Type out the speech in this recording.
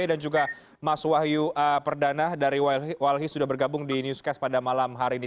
dan juga mas woyu perdana dari walhis sudah bergabung di newscast pada malam hari ini